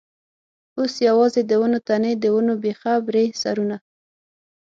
اوس یوازې د ونو تنې، د ونو بېخه برې سرونه.